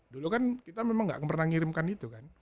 dulu kan kita memang tidak pernah ngirimkan itu kan